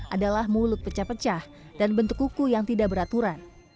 adalah mulut pecah pecah dan bentuk kuku yang tidak beraturan